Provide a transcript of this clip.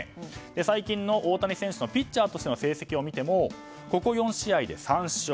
最近の大谷選手のピッチャーとしての成績を見てもここ４試合で３勝。